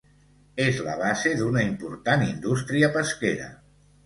És la base d'una important indústria pesquera.